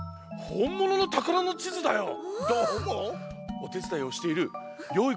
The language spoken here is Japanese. おてつだいをしているよい